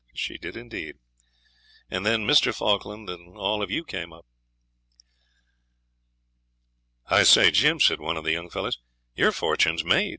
She did indeed. And then Mr. Falkland and all of you came up.' 'I say, Jim,' said one of the young fellows, 'your fortune's made. Mr.